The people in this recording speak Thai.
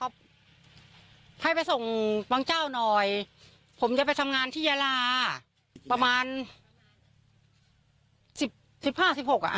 บางเจ้าหน่อยผมจะไปทำงานที่ยาลาประมาณ๑๕๑๖อ่ะ๑๕๑๖